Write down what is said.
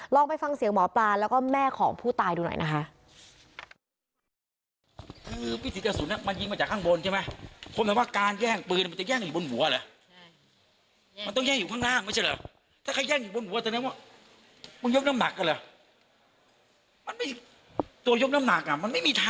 ลองไปฟังเสียงหมอปลาแล้วก็แม่ของผู้ตายดูหน่อยนะคะ